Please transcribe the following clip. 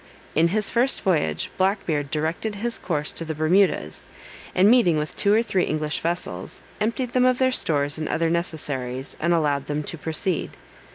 In his first voyage, Black Beard directed his course to the Bermudas, and meeting with two or three English vessels, emptied them of their stores and other necessaries, and allowed them to proceed.